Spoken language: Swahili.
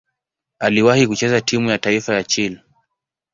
Aliwahi kucheza timu ya taifa ya Chile.